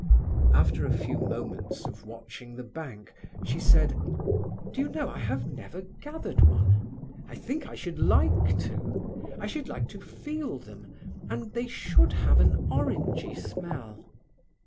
After a few moments of watching the bank, she said: "Do you know, I have never gathered one? I think I should like to; I should like to feel them, and they should have an orangy smell."